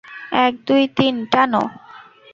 এক, দুই, তিন, টানো!